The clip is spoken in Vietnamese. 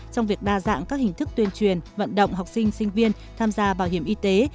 trong việc đa dạng các hình thức tuyên truyền vận động học sinh sinh viên tham gia bảo hiểm y tế